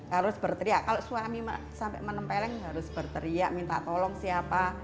harus berteriak kalau suami sampai menempeleng harus berteriak minta tolong siapa